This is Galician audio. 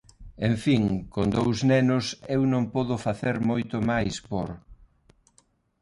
En fin, con dous nenos eu non podo facer moito mais por.